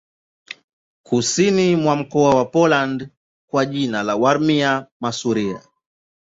Kusini ni mkoa wa Poland kwa jina la Warmia-Masuria.